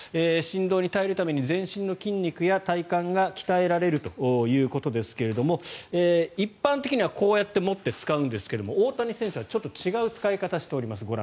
振動に耐えるために全身の筋肉や体幹が鍛えられるということですが一般的にはこうやって持って使うんですが大谷選手はちょっと違う使い方をしています。